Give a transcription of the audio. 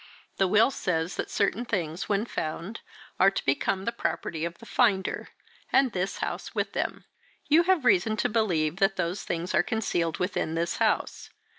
The will says that certain things, when found, are to become the property of the finder, and this house with them. You have reason to believe that those things are concealed within this house.